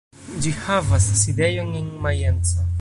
Ĝi havas sidejon en Majenco.